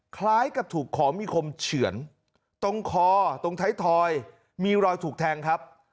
คล้ายกับถูกขอมีคมเฉือนตรงคอตรงท้ายทอยมีรอยถูกแทงครับ